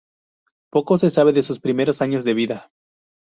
Poco se sabe de sus primeros años de vida.